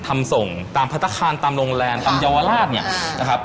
ทำส่งตามพัฒนาคารตามโรงแรนตามเยาวราช